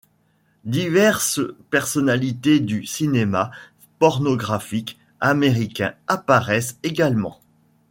Diverses personnalités du cinéma pornographique américain apparaissent également.